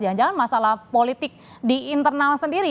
jangan jangan masalah politik di internal sendiri